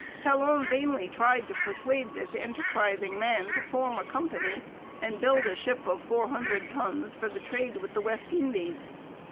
Talon vainly tried to persuade this enterprising man to form a company and build a ship of four hundred tons for the trade with the West Indies.